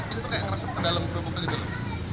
ini tuh kayak ngerasam ke dalam kerupuk tadi dulu